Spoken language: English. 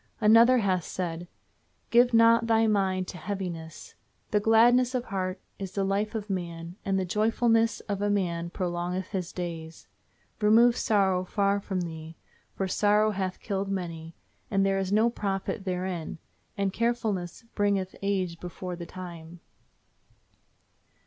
Another hath said, "Give not thy mind to heaviness. The gladness of heart is the life of man, and the joyfulness of a man prolongeth his days. Remove sorrow far from thee, for sorrow hath killed many, and there is no profit therein; and carefulness bringeth age before the time."